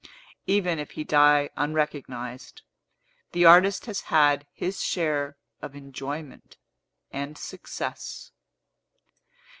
Even if he die unrecognized, the artist has had his share of enjoyment and success.